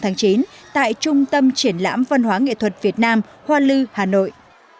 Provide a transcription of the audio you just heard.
chương trình diễn ra từ nay đến hết ngày một mươi năm tháng chín tại trung tâm triển lãm văn hóa nghệ thuật việt nam hoa lư hà nội